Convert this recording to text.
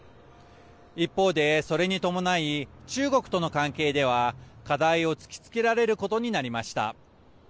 一方で、それに伴い中国との関係では課題を突きつけられることになりました。